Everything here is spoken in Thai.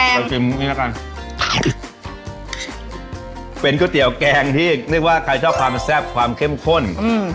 กลับกินก๋วยนี่กันเป็นก๋วยเตี๋ยวแกงที่นึกว่าใครชอบความแซ่บความเข้มข้นอืม